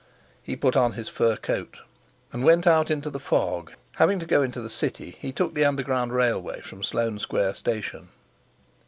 He put on his fur coat, and went out into the fog; having to go into the City, he took the underground railway from Sloane Square station.